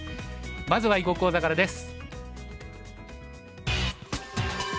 まずは囲碁講座からです。